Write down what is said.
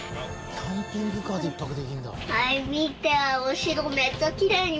キャンピングカーで１泊できんだ。